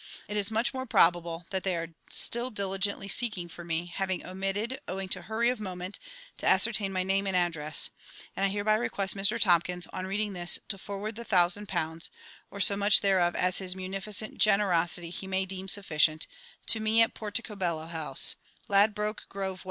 It is much more probable that they are still diligently seeking for me, having omitted, owing to hurry of moment, to ascertain my name and address; and I hereby request Mr TOMKINS, on reading this, to forward the thousand pounds (or so much thereof as in his munificent generosity he may deem sufficient) to me at Porticobello House, Ladbroke Grove, W.